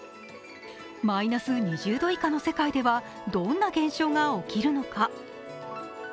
マイナス２０度以下の世界ではどんな現象が起きるのか。